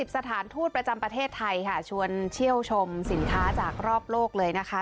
สถานทูตประจำประเทศไทยค่ะชวนเชี่ยวชมสินค้าจากรอบโลกเลยนะคะ